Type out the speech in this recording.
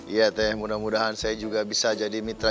ya teteh mudah mudahan saya juga bisa jadi mitra